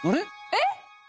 えっ！？